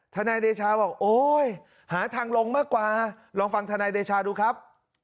นายเดชาบอกโอ้ยหาทางลงมากกว่าลองฟังธนายเดชาดูครับ